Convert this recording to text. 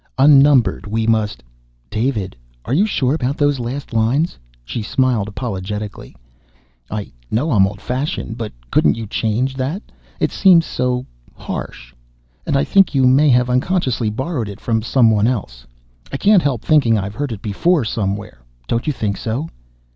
_ "_Unnumbered we must _" "David, are you sure about those last lines?" She smiled apologetically. "I know I'm old fashioned, but couldn't you change that? It seems so ... so harsh. And I think you may have unconsciously borrowed it from someone else. I can't help thinking I've heard it before, somewhere? Don't you think so?"